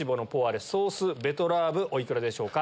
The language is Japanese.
お幾らでしょうか？